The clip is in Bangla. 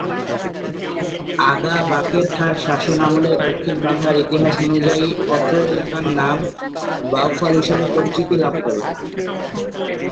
আগা বাকের খাঁর শাসন আমলে দক্ষিণ বাংলার ইতিহাস অনুযায়ী অত্র এলাকার নাম বাউফল হিসেবে পরিচিতি লাভ করে।